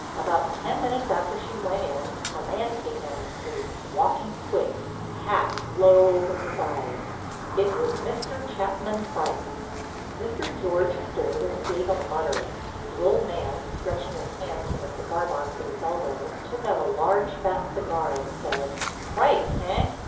About ten minutes after she went in, a man came down the street, walking quick, hat low over his eyes—it was Mr. Chapman Price." Mr. George stirred and gave a mutter. The old man, stretching his hand to the cigar box at his elbow, took out a large fat cigar and said: "Price, eh?